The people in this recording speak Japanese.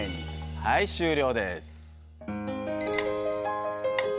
はい終了です。